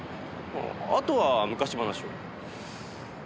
あとは昔話を。